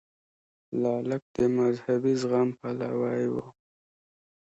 لاک د مذهبي زغم پلوی و.